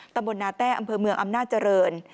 ตำบลนาแต้อำเภอเมืองอำนาจเจริญ